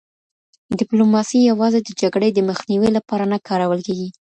ډیپلوماسي یوازي د جګړې د مخنیوي لپاره نه کارول کیږي.